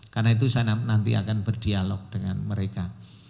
karena itu saya nanti akan berdialog dengan mereka